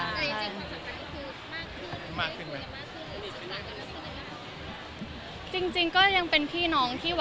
โอเคคนมองว่าเหมือนผู้จีนผู้จริงผู้จริงไหมคะไม่ค่ะยังค่ะ